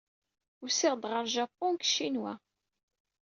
Usiɣ-d ɣer Japun seg Ccinwa.